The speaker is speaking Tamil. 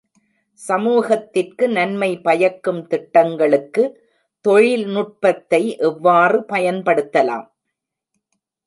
சமூகத்திற்கு நன்மை பயக்கும் திட்டங்களுக்கு தொழில்நுட்பத்தை எவ்வாறு பயன்படுத்தலாம்?